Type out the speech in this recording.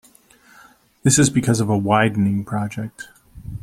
This is because of a widening project.